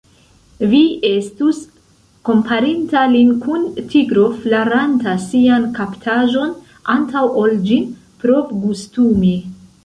Vi estus komparinta lin kun tigro flaranta sian kaptaĵon, antaŭ ol ĝin provgustumi.